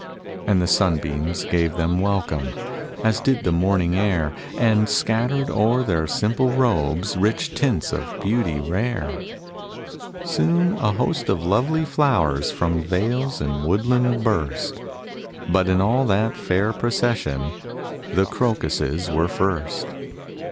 And the sunbeams gave them welcome. As did the morning air And scattered o'er their simple robes Rich tints of beauty rare. Soon a host of lovely flowers From vales and woodland burst; But in all that fair procession The crocuses were first.